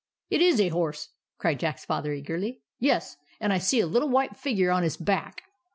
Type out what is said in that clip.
" It is a horse !" cried Jack's Father, eagerly. "Yes, and I see a little white figure on his back.